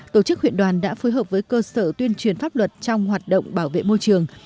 tổ chức huyện đoàn đã phối hợp với cơ sở tuyên truyền pháp luật trong hoạt động bảo vệ môi trường